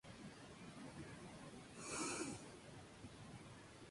Allí desarrolló su gran afición: coleccionar objetos antiguos.